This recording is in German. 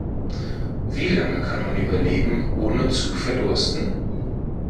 Wie lange kann man überleben, ohne zu verdursten?